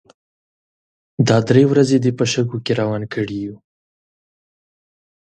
دا درې ورځې دې په شګو کې روان کړي يو.